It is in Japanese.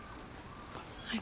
はい。